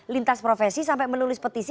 lintas profesi sampai menulis petisi